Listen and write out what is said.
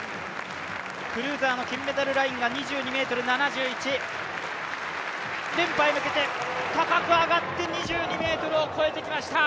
クルーザーの金メダルラインが２２ｍ７１連覇へ向けて、高く上がって２２ｍを越えてきました。